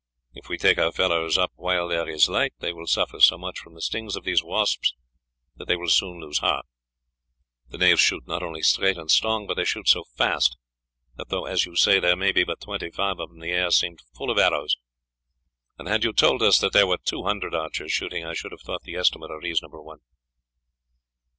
If we take our fellows up while there is light they will suffer so much from the stings of these wasps that they will soon lose heart. The knaves shoot not only straight and strong, but they shoot so fast that though, as you say, there may be but twenty five of them, the air seemed full of arrows, and had you told us that there were two hundred archers shooting, I should have thought the estimate a reasonable one."